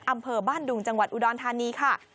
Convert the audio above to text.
อำเภอบ้านดุงจังหวัดอุดรธานีค่ะ